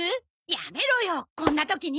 やめろよこんな時に！